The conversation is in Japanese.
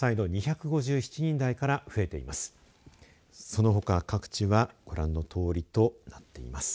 そのほか各地はご覧のとおりとなっています。